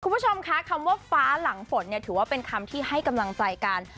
คุณผู้ชมคะคำว่าฟ้าหลังฝนเนี่ยถือว่าเป็นคำที่ให้กำลังใจกัน